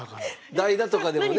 代打とかでもね。